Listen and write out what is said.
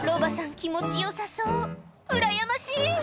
気持ちよさそううらやましい！